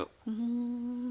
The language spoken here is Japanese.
うん。